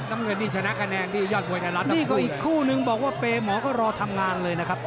น้ำเงินนี่ชนะคะแนนที่ยอดมวยไทยรัฐนี่ก็อีกคู่นึงบอกว่าเปย์หมอก็รอทำงานเลยนะครับ